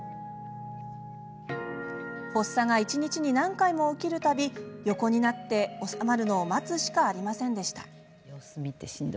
発作が一日に何回も起きる度横になって治まるのを待つしかありませんでした。